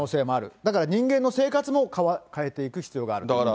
だから人間の生活も変えていく必要があるという話ですね。